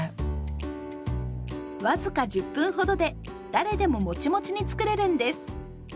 僅か１０分程で誰でもモチモチに作れるんです。